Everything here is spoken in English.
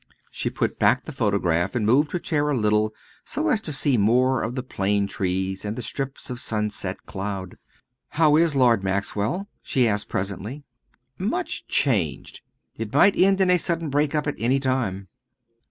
She put back the photograph, and moved her chair a little so as to see more of the plane trees and the strips of sunset cloud. "How is Lord Maxwell?" she asked presently. "Much changed. It might end in a sudden break up at any time."